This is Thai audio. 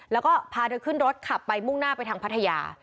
แล้วก็พาเธอขึ้นรถขับไปมุ่งหน้าไปทางพัทยา